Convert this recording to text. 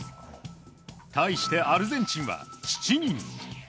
対して、アルゼンチンは７人。